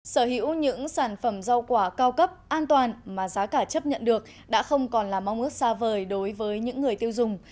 sở hữu những sản phẩm rau quả cao cấp an toàn mà giá cả chấp nhận được đã không còn là mong ước xa vời đối với những người tiêu dùng